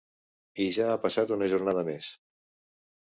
I ja ha passat una jornada més.